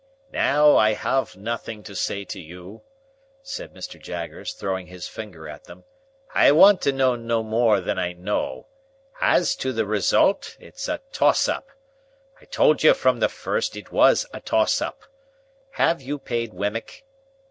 "Now, I have nothing to say to you," said Mr. Jaggers, throwing his finger at them. "I want to know no more than I know. As to the result, it's a toss up. I told you from the first it was a toss up. Have you paid Wemmick?"